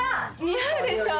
似合うでしょ？